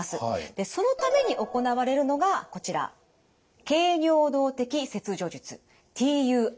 でそのために行われるのがこちら経尿道的切除術ＴＵＲＢＴです。